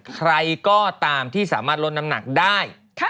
ใครก็ตามที่สามารถลดน้ำหนักได้